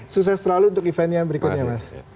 sukses selalu untuk event yang berikutnya mas